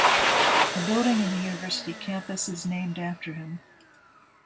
A building in the university campus is named after him.